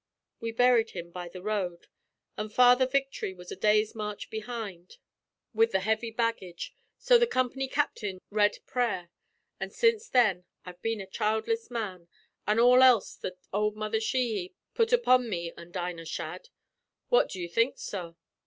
We buried him by the road, an' Father Victory was a day's march behind with the heavy baggage, so the comp'ny captain read prayer. An' since then I've been a childless man, an' all else that ould Mother Sheehy put upon me an' Dinah Shadd. What do you think, sorr?"